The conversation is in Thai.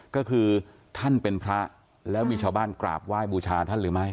ก็คือท่านเป็นพระแล้วมีชาวบ้านกราบไหว้บูชาท่านหรือไม่